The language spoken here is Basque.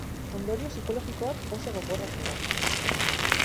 Ondorio psikologikoak oso gogorrak dira.